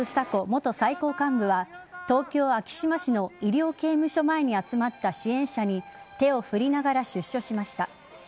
元最高幹部は東京・昭島市の医療刑務所前に集まった支援者に手を振りながら出所しました。